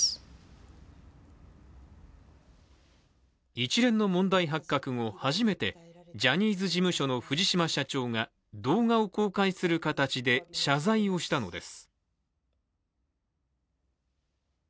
一連の問題発覚後初めて、ジャニーズ事務所の藤島社長が動画を公開する形で謝罪をしたのです。